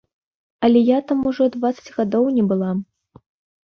Але я там ужо дваццаць гадоў не была.